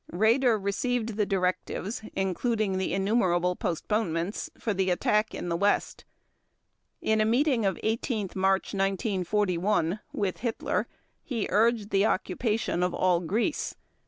Raeder received the directives, including the innumerable postponements, for the attack in the West. In a meeting of 18 March 1941 with Hitler he urged the occupation of all Greece.